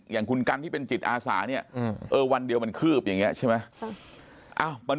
อย่างคุณกันที่เป็นจิตอาสาเนี่ยวันเดียวมันคืบอย่างนี้ใช่ไหม